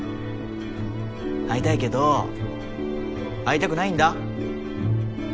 会いたいけど会いたくないんだ。